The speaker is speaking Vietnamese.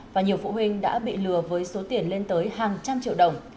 và nhiều phụ huynh đã bị lừa với số tiền lên tới hàng trăm triệu đồng